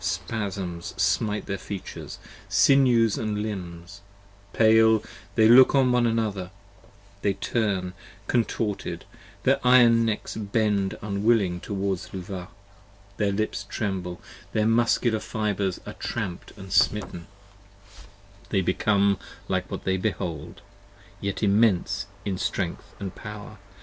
Spasms smite their features, sinews & limbs: pale they look on one another; They turn, contorted: their iron necks bend unwilling towards Luvah: their lips tremble: their muscular fibres are tramp'd & smitten, 77 79 They become like what they behold! Yet immense in strength & power, p.